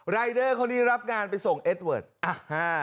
รายเดอร์คนนี้รับงานไปส่งเอสเวิร์ดอ่าฮ่า